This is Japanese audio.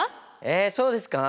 えっそうですか？